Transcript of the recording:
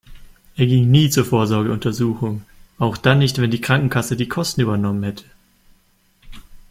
Er ging nie zur Vorsorgeuntersuchung, auch dann nicht, wenn die Krankenkasse die Kosten übernommen hätte.